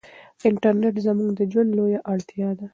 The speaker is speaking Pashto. انټرنيټ زموږ د ژوند لویه اړتیا ده.